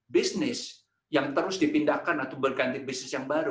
bisnis yang terus dipindahkan atau berganti bisnis yang baru